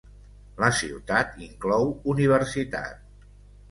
La ciutat inclou universitat.